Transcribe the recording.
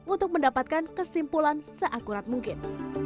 untuk mendapatkan kesimpulan seakurat mungkin